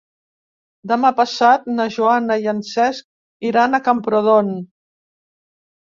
Demà passat na Joana i en Cesc iran a Camprodon.